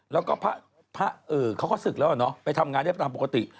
แล้วก็พระเขาก็ศึกแล้วเนาะไปทำงานได้ตามปกติ